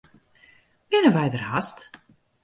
Binne wy der hast?